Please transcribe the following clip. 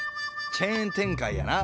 チェーン展開やな。